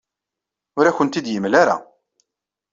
Ur akent-t-id-yemla ara.